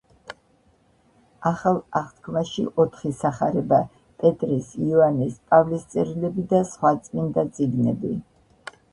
ახალ აღთქმაში ოთხი სახარება, პეტრეს, იოანეს, პავლეს წერილები და სხვა წმინდა წიგნები.